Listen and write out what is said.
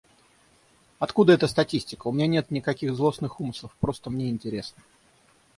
Откуда эта статистика? У меня нет никаких злостных умыслов, просто мне интересно.